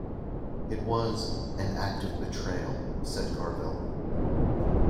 It was "an act of betrayal," said Carville.